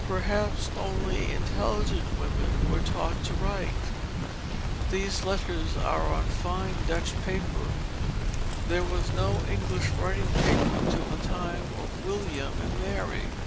Perhaps only intelligent women were taught to write. These letters are on fine Dutch paper; there was no English writing paper till the time of William and Mary.